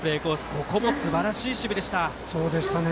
ここも、すばらしい守備でした。